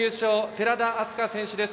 寺田明日香選手です。